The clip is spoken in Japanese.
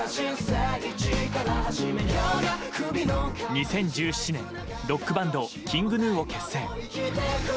２０１７年、ロックバンドＫｉｎｇＧｎｕを結成。